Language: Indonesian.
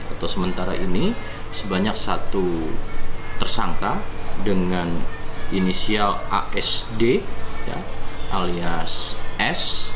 untuk sementara ini sebanyak satu tersangka dengan inisial asd alias s